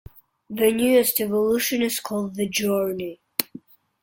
The newest evolution is called the Journey.